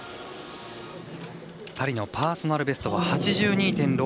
２人のパーソナルベストは８２．６４。